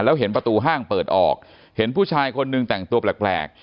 แล้วเห็นประตูห้างเปิดออกเห็นผู้ชายคนหนึ่งแต่งตัวแปลก